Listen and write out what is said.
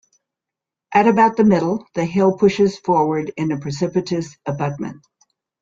At about the middle, the hill pushes forward in a precipitous abutment.